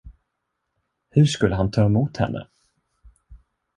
Hur skulle han ta emot henne?